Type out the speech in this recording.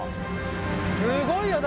すごいよ。